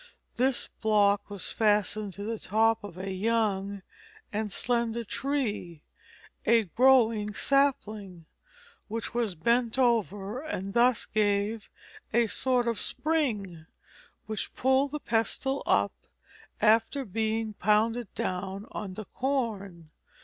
This block was fastened to the top of a young and slender tree, a growing sapling, which was bent over and thus gave a sort of spring which pulled the pestle up after being pounded down on the corn.